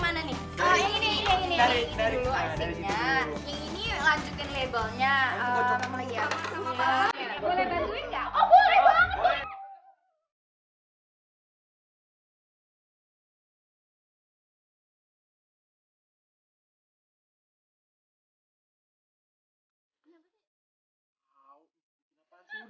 mau ikut ikut buat buat